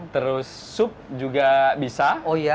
terus sup juga bisa oh iya